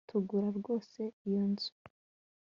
tugura rwose iyo nzu